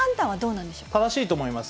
正しいと思います。